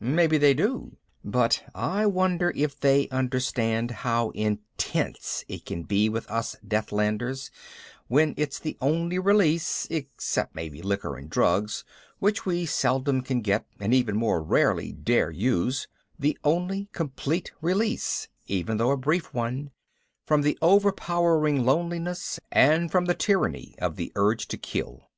Maybe they do. But I wonder if they understand how intense it can be with us Deathlanders when it's the only release (except maybe liquor and drugs, which we seldom can get and even more rarely dare use) the only complete release, even though a brief one, from the overpowering loneliness and from the tyranny of the urge to kill.